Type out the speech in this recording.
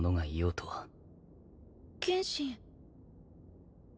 剣心。